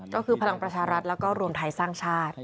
ก็คือพลังประชารัฐแล้วก็รวมไทยสร้างชาติ